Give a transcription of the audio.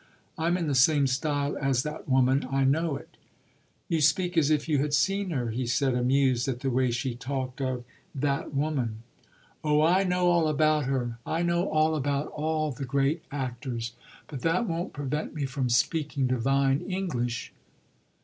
I'm in the same style as that woman I know it." "You speak as if you had seen her," he said, amused at the way she talked of "that woman." "Oh I know all about her I know all about all the great actors. But that won't prevent me from speaking divine English."